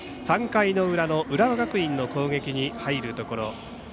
３回の裏の浦和学院の攻撃に入るところ。